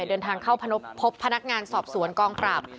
เดินทางเข้าพบพนักงานสอบสวนกองปราบ